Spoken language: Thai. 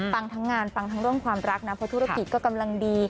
ทั้งงานฟังทั้งเรื่องความรักนะเพราะธุรกิจก็กำลังดี